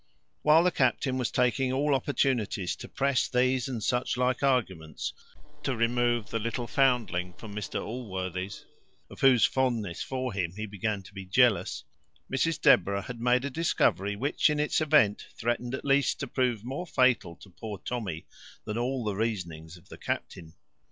While the captain was taking all opportunities to press these and such like arguments, to remove the little foundling from Mr Allworthy's, of whose fondness for him he began to be jealous, Mrs Deborah had made a discovery, which, in its event, threatened at least to prove more fatal to poor Tommy than all the reasonings of the captain.